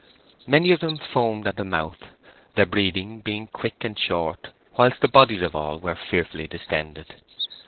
Many of them foamed at the mouth, their breathing being quick and short, whilst the bodies of all were fearfully distended.